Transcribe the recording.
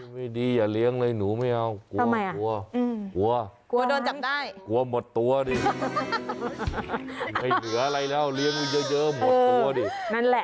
ไม่ดีอย่าเลี้ยงหนูไม่เอา